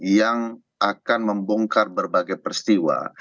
yang akan membongkar berbagai peristiwa